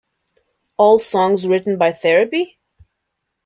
All songs written by Therapy?